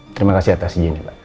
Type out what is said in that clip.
terima kasih atas izinnya pak